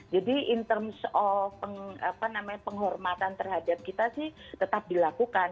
jadi in terms of penghormatan terhadap kita sih tetap dilakukan